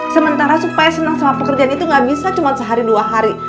sementara supaya senang sama pekerjaan itu gak bisa cuma sehari dua hari